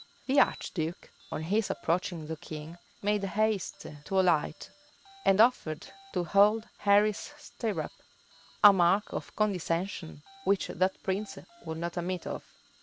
The archduke, on his approaching the king, made haste to alight, and offered to hold Henry's stirrup; a mark of condescension which that prince would not admit of.